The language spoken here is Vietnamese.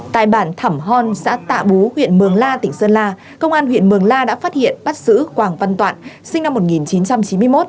tại bản thỏm hòn xã tạ bú huyện mường la tỉnh sơn la công an huyện mường la đã phát hiện bắt xử quảng văn toạn sinh năm một nghìn chín trăm chín mươi một